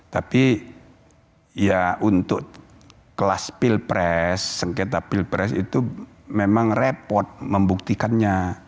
tapi ya untuk kelas pilpres sengketa pilpres itu memang repot membuktikannya